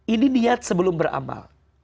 ini niat sebelum beramal